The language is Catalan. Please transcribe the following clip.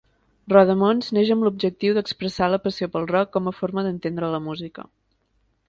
Rodamons neix amb l'objectiu d'expressar la passió pel rock com a forma d'entendre la música.